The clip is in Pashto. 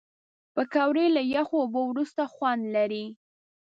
پکورې له یخو اوبو وروسته خوند لري